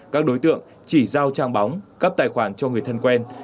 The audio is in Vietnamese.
các đối tượng chỉ giao trang bóng cấp tài khoản cho người thân quen